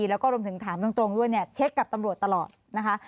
แล้วก็รวมถึงถามตรงด้วยเนี่ยเช็คกับตำรวจตลอดนะคะ